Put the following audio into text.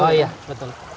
oh iya betul